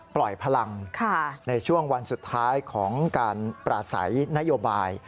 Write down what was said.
ปล่อยพลังในช่วงวันสุดท้ายของการปราศัยนโยบาย